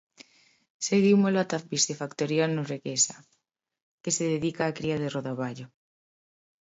Seguímolo até a piscifactoría norueguesa que se dedica á cría de rodaballo.